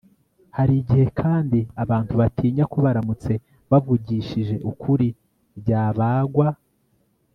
hari igihe kandi abantu batinya ko baramutse bavugishije ukuri byabagwa